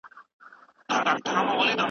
هغه زده کوونکي چې منظم وي بریالي دي.